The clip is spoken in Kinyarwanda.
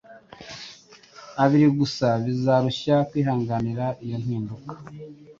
abiri gusa, bizarushya kwihanganira iyo mpinduka.